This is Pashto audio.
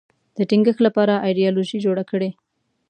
د ټینګښت لپاره ایدیالوژي جوړه کړي